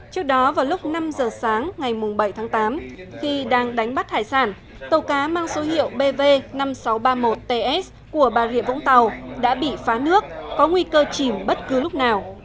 trước đó vào lúc năm giờ sáng ngày bảy tháng tám khi đang đánh bắt hải sản tàu cá mang số hiệu bv năm nghìn sáu trăm ba mươi một ts của bà rịa vũng tàu đã bị phá nước có nguy cơ chìm bất cứ lúc nào